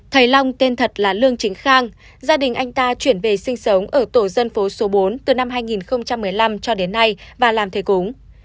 thầy long tên thật là lương chính khang gia đình anh ta chuyển về sinh sống ở tổ dân phố số bốn từ năm hai nghìn một mươi năm cho đến nay và làm thầy cúng